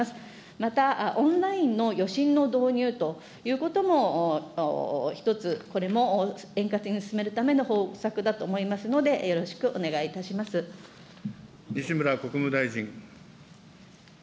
またオンラインの予診の導入ということも、一つこれも円滑に進めるための方策だと思いますので、西村国務大臣。